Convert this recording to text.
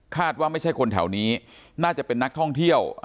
ว่าไม่ใช่คนแถวนี้น่าจะเป็นนักท่องเที่ยว